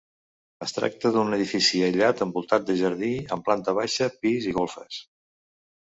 Es tracta d'un edifici aïllat envoltat de jardí amb planta baixa, pis i golfes.